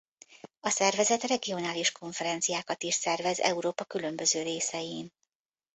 A szervezet regionális konferenciákat is szervez Európa különböző részein.